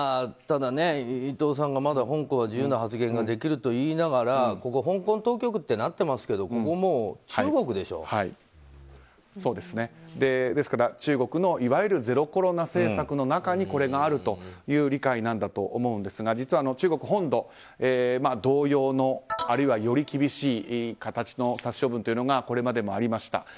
ただ、伊藤さんが香港が自由な発言ができると言いながらここ、香港当局となっていますがですから中国のいわゆるゼロコロナ政策の中にこれがあるという理解なんだと思うんですが実は中国本土は同様のあるいはより厳しい形の殺処分がこれまでもありました。